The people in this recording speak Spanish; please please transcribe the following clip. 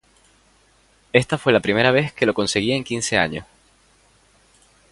Esta fue la primera vez que lo conseguía en quince años.